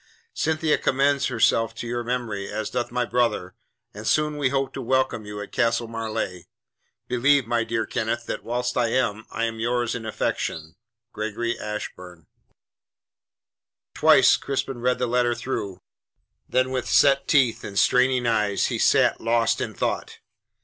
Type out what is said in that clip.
Cynthia commends herself to your memory as doth my brother, and soon we hope to welcome you at Castle Marleigh. Believe, my dear Kenneth, that whilst I am, I am yours in affection. GREGORY ASHBURN Twice Crispin read the letter through. Then with set teeth and straining eyes he sat lost in thought.